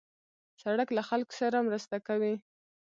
سړک له خلکو سره مرسته کوي.